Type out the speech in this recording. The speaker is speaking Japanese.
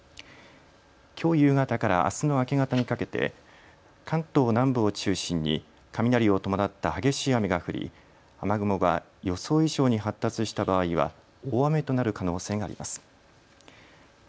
きょう夕方からあすの明け方にかけて関東南部を中心に雷を伴った激しい雨が降り雨雲が予想以上に発達した場合は大雨となる可能性があります。